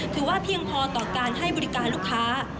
เพียงพอต่อการให้บริการลูกค้า